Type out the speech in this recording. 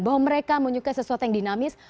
bahwa mereka menyukai sesuatu yang dinamis